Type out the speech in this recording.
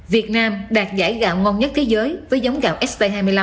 việt nam đạt giải gạo ngon nhất thế giới với giống gạo sp hai mươi năm